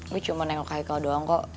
gue cuma nengok hai kalau doang kok